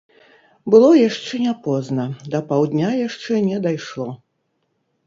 Было яшчэ не позна, да паўдня яшчэ не дайшло.